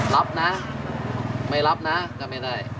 รับนะไม่รับนะก็ไม่ได้